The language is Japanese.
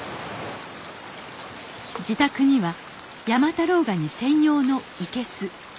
自宅には山太郎ガニ専用の生けす。